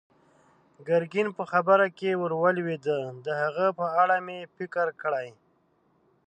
ګرګين په خبره کې ور ولوېد: د هغه په اړه مې فکر کړی.